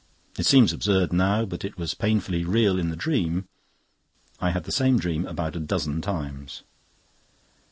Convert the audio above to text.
It seems absurd now, but it was painfully real in the dream. I had the same dream about a dozen times.